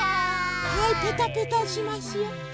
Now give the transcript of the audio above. はいぺたぺたしますよ。